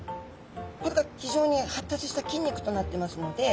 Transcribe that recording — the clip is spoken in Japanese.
これが非常に発達した筋肉となってますので